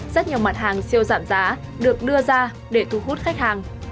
rất nhiều mặt hàng siêu giảm giá được đưa ra để thu hút khách hàng